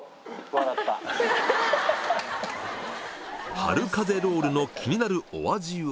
春風ロールの気になるお味は？